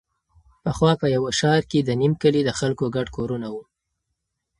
پخوا په یوه ښاره کې د نیم کلي د خلکو ګډ کورونه وو.